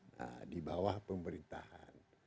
nah di bawah pemerintahan